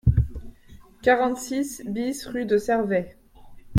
quarante-six BIS rue de Cervet